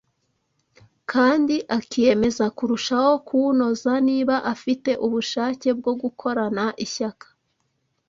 kandi akiyemeza kurushaho kuwunoza; niba afite ubushake bwo gukorana ishyaka